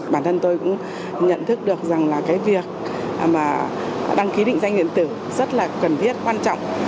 bản thân tôi cũng nhận thức được rằng là cái việc mà đăng ký định danh điện tử rất là cần thiết quan trọng